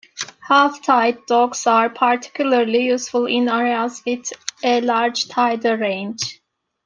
Half tide docks are particularly useful in areas with a large tidal range.